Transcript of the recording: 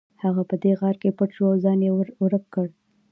هغه په دې غار کې پټ شو او ځان یې ورک کړ